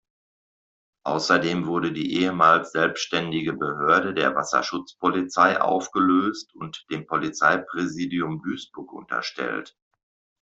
Außerdem wurde die ehemals selbständige Behörde der Wasserschutzpolizei aufgelöst und dem Polizeipräsidium Duisburg unterstellt.